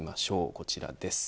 こちらです。